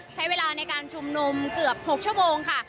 ใช้เวลาในการชุมนุมเกือบ๖ชั่วโมงค่ะ